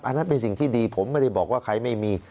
อันนั้นเป็นสิ่งที่ดีผมไม่ได้บอกว่าใครไม่มี